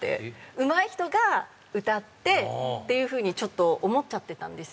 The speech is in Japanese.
上手い人が歌ってっていうふうにちょっと思っちゃってたんです。